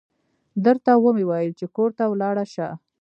درته و مې ويل چې کور ته ولاړه شه.